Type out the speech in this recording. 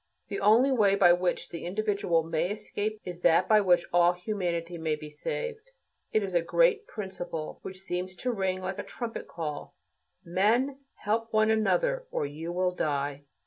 The only way by which the individual may escape is that by which all humanity may be saved. This is a great principle, which seems to ring like a trumpet call: Men, help one another, or you will die.